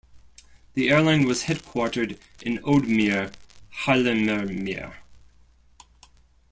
The airline was headquartered in Oude Meer, Haarlemmermeer.